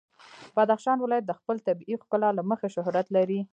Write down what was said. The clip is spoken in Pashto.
بدخشان ولایت د خپل طبیعي ښکلا له مخې شهرت لري.